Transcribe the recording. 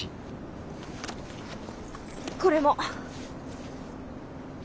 これも。